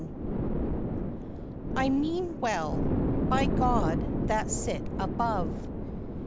I MEANE WELL, BY GOD THAT SIT ABOVE.'